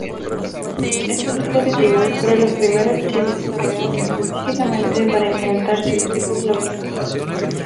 Estos dispositivos fueron los primeros chips desarrollados específicamente para implementar circuitos lógicos.